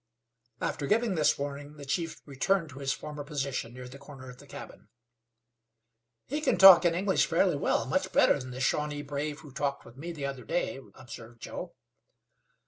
After giving this warning the chief returned to his former position near the corner of the cabin. "He can talk in English fairly well, much better than the Shawnee brave who talked with me the other day," observed Joe.